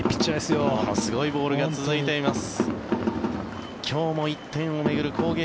ものすごいボールが続いています。